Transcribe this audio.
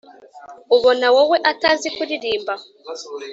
ubona wowe atazi kuririmba